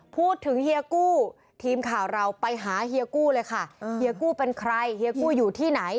เฮียกู้ทีมข่าวเราไปหาเฮียกู้เลยค่ะเฮียกู้เป็นใครเฮียกู้อยู่ที่ไหน